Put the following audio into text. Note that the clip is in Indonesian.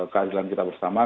keadilan kita bersama